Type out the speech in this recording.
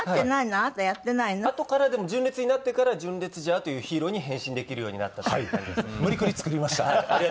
あとからでも純烈になってから純烈ジャーというヒーローに変身できるようになったという感じですね。